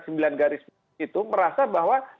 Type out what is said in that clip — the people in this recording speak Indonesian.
sembilan garis itu merasa bahwa